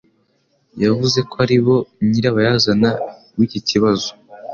Yavuze ko ari bo nyirabayazana w'iki kibazo.